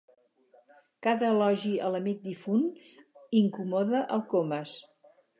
Cada elogi a l'amic difunt incomoda el Comas.